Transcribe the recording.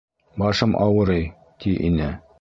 Башым ауырый, ти ине.